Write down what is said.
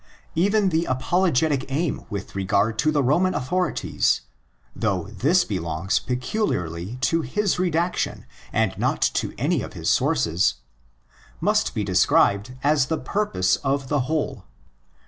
Even the apologetic aim with regard to the Roman authorities, though this belongs peculiarly to his redaction and not to any of his sources, must not be described as the purpose of the whole.